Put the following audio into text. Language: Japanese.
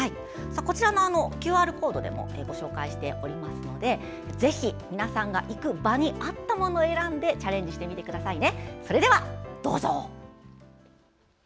こちらのＱＲコードからも紹介しておりますので行く場に合ったものを選んでチャレンジしてみてくださいね。